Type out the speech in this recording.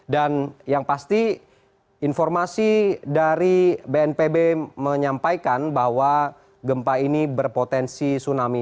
dan yang pasti informasi dari bnpb menyampaikan bahwa gempa ini berpotensi tsunami